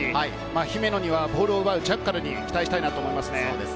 姫野にはボールを奪うジャッカルに期待したいと思います。